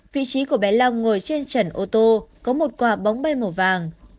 xe của bé long ngồi trên trần ô tô có một quả bóng bay màu vàng